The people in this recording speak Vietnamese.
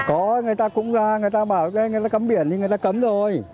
có người ta cũng ra người ta bảo người ta cấm biển thì người ta cấm rồi